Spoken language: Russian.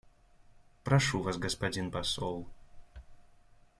Прошу вас, господин посол.